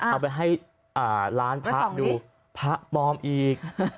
เอาไปให้ร้านพระดูพระปลอมอีก